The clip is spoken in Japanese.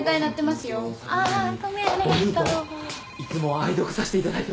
愛読させていただいて。